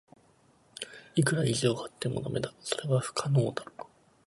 いくら意地を張っても駄目だ。それは不可能だ。